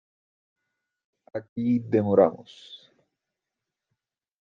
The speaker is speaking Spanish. aquí demoramos.